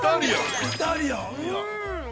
◆イタリアン。